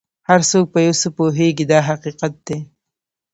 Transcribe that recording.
هر څوک په یو څه پوهېږي دا حقیقت دی.